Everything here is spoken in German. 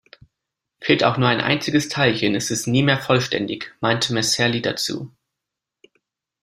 Fehlt auch nur ein einziges Teilchen, ist es nie mehr vollständig“ meinte Messerli dazu.